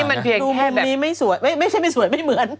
นี่มันเพียงแค่แบบมีไม่สวยไม่ใช่ไม่สวยไม่เหมือน